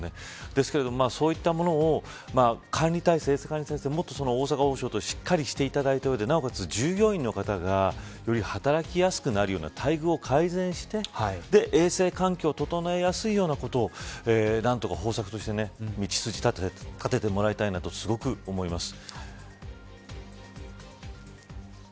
ですけれども、そういったものを管理体制もっと大阪王将しっかりしていただいた上でなおかつ従業員の方がより働きやすくなるような待遇を改善して衛生環境を整えやすいようなことを何とか方策として道筋を立ててもらいたいなとすごく思います。